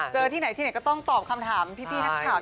เจอที่ไหนที่ไหนก็ต้องตอบคำถามพี่นะครับ